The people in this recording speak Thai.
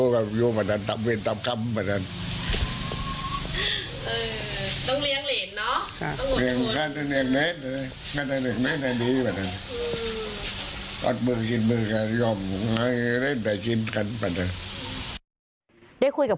เคยท้อจนถึงขั้นไหนแม่คุณตา